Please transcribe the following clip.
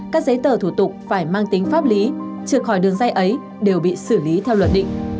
các giấy tờ thủ tục phải mang tính pháp lý trượt khỏi đường dây ấy đều bị xử lý theo luật định